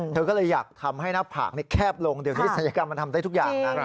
เธอก็เลยอยากทำให้หน้าผากแคบลงเดี๋ยวนี้ศัลยกรรมมันทำได้ทุกอย่างนะ